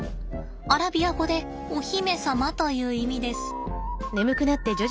アラビア語でお姫様という意味です。